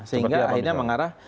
sehingga akhirnya mengarah